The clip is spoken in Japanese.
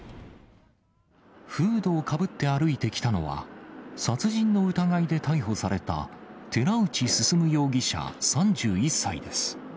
フードをかぶって歩いてきたのは、殺人の疑いで逮捕された寺内進容疑者３１歳です。